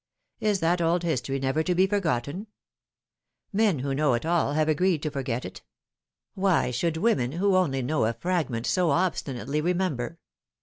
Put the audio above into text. Is that old history never to be for gotten ? Men, who know it all, have agreed to forget it : why Should women, who only know a fragment, so obstinately re member